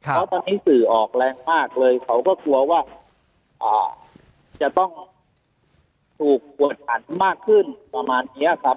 เพราะตอนนี้สื่อออกแรงมากเลยเขาก็กลัวว่าจะต้องถูกกวดขันมากขึ้นประมาณนี้ครับ